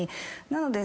なので。